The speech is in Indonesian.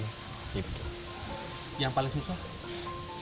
yang paling susah